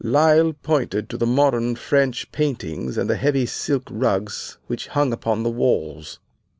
"Lyle pointed at the modern French paintings and the heavy silk rugs which hung upon the walls.